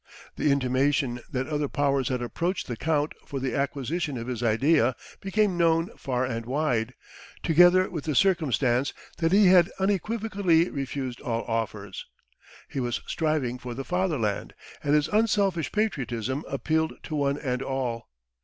The intimation that other Powers had approached the Count for the acquisition of his idea became known far and wide, together with the circumstance that he had unequivocally refused all offers. He was striving for the Fatherland, and his unselfish patriotism appealed to one and all.